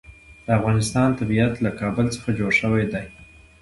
د افغانستان طبیعت له کابل څخه جوړ شوی دی.